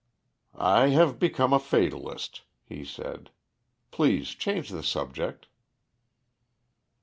"I have become a fatalist," he said. "Please change the subject."